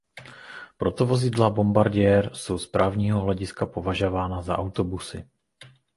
Proto vozidla Bombardier jsou z právního hlediska považována za autobusy.